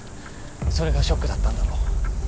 それがショックだったんだろう。